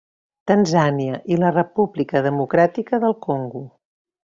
Tanzània i la República Democràtica del Congo.